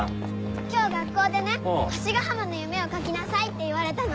今日学校でね星ヶ浜の夢を描きなさいって言われたの。